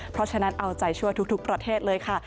เพราะฉะนั้นเอาใจช่วยทุกประเทศเลยค่ะ